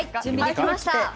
できました。